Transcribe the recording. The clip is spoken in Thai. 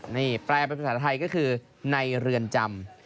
นี่แปลเป็นภาษาไทยก็คือในเรือนจำ